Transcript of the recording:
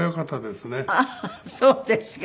ああーそうですか。